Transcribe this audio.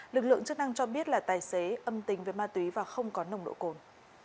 lực lượng chức năng cho biết là tài xế âm tính với ma túy và không có nồng độ cồn